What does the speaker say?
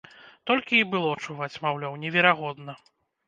Толькі і было чуваць, маўляў, неверагодна!